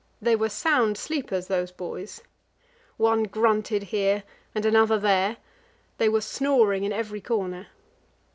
They were sound sleepers, those boys. One grunted here and another there; they were snoring in every corner.